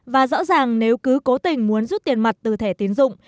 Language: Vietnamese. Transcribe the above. và rõ ràng nếu cứ cố tình muốn rút tiền mặt từ thẻ tiến dụng